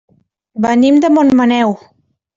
Venim de Montmaneu.